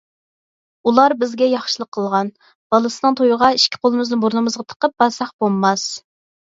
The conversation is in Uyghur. ئۇلار بىزگە ياخشىلىق قىلغان، بالىسىنىڭ تويىغا ئىككى قولىمىزنى بۇرنىمىزغا تىقىپ بارساق بولماس.